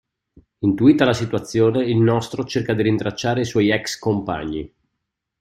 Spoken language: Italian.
Intuita la situazione, il nostro cerca di rintracciare i suoi ex-compagni.